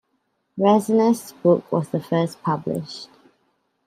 Rassiner's book was the first published.